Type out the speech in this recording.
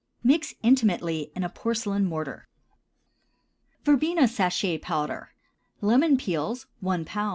Mix intimately in a porcelain mortar. VERBENA SACHET POWDER. Lemon peels 1 lb.